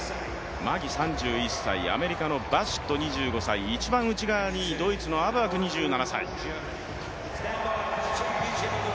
マギ３１歳、アメリカのバシット２５歳、一番内側にドイツのアブアク２７歳。